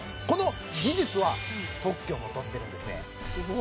この技術は特許も取ってるんですね